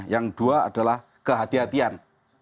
yang dua adalah kehatian